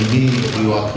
pemerintah itu dalam hal ini